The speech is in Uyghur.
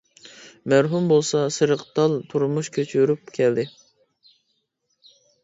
مەرھۇم بولسا سېرىقتال تۇرمۇش كەچۈرۈپ كەلدى.